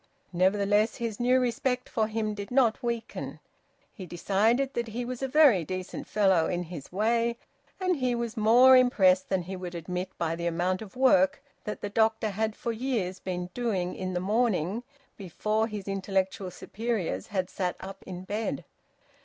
Nevertheless his new respect for him did not weaken; he decided that he was a very decent fellow in his way, and he was more impressed than he would admit by the amount of work that the doctor had for years been doing in the morning before his intellectual superiors had sat up in bed.